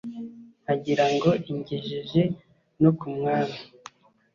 Nkagirango ingejeje no ku Mwami